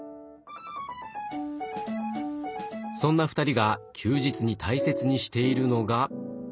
そんな２人が休日に大切にしているのが。